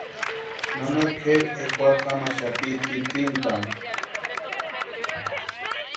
Nana kʼeri ekwarhu jamaxati tʼitsíntani.